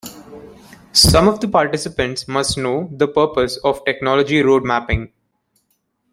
Some of the participants must know the purpose of technology roadmapping.